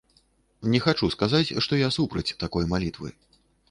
Не хачу сказаць, што я супраць такой малітвы.